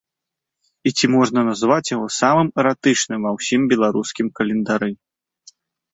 І ці можна назваць яго самым эратычным ва ўсім беларускім календары?